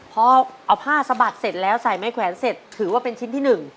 พอเอาผ้าสะบัดเสร็จแล้วใส่ไม้แขวนเสร็จถือว่าเป็นชิ้นที่๑